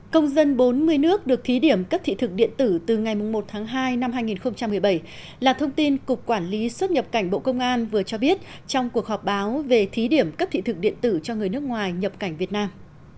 công dân bốn mươi nước được thí điểm cấp thị thực điện tử từ ngày một tháng hai năm hai nghìn một mươi bảy là thông tin cục quản lý xuất nhập cảnh bộ công an vừa cho biết trong cuộc họp báo về thí điểm cấp thị thực điện tử cho người nước ngoài nhập cảnh việt nam